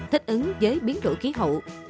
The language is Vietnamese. thích ứng với biến đổi khí hậu